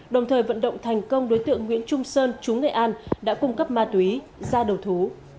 đồng thời vận động thành công đối tượng nguyễn trung sơn chú nghệ an đã cung cấp ma túy ra đầu thú